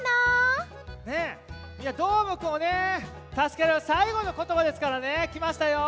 みんなどーもくんをたすけるさいごのことばですからねきましたよ。